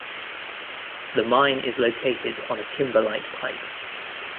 The mine is located on a kimberlite pipe.